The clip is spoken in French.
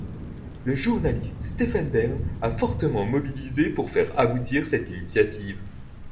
Le journaliste Stéphane Bern a fortement mobilisé pour faire aboutir cette initiative.